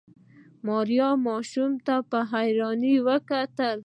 ماريا ماشوم ته په حيرانۍ کتل.